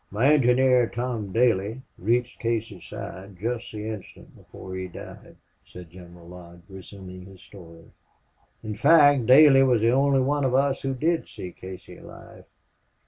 "My engineer, Tom Daley, reached Casey's side just the instant before he died," said General Lodge, resuming his story. "In fact, Daley was the only one of us who did see Casey alive....